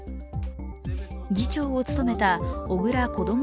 議長を務めた小倉こども